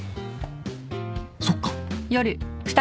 そっか。